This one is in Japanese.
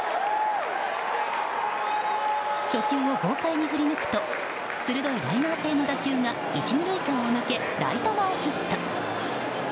初球を豪快に振り抜くと鋭いライナー性の打球が１、２塁間を抜けライト前ヒット。